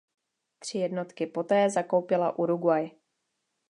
Tři jednotky poté zakoupila Uruguay.